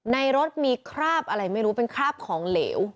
ในรถมีคราบอะไรไม่รู้เป็นคราบของเหลว